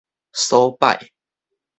所擺